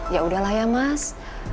ya udahlah ya mas